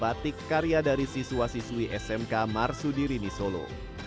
dan juga mengenalkan batik karya dari siswa siswi smk marsudirini solo